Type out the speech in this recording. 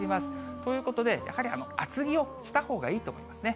ということで、やはり厚着をしたほうがいいと思いますね。